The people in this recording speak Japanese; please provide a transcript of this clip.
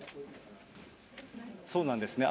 そうなんですね。